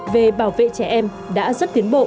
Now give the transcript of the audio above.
về bảo vệ trẻ em đã rất tiến bộ